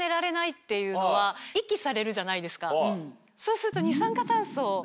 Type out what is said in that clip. そうすると。